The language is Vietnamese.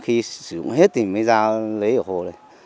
khi sử dụng hết thì mới giao lấy ở hồ này